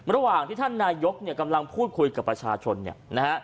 ระหว่างที่ท่านนายกกำลังพูดคุยกับประชาชน